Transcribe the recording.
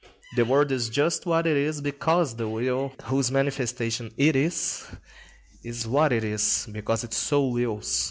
The world is just what it is because the will, whose manifestation it is, is what it is, because it so wills.